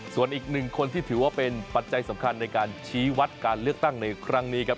ส่วนอีกหนึ่งคนที่ถือว่าเป็นปัจจัยสำคัญในการชี้วัดการเลือกตั้งในครั้งนี้ครับ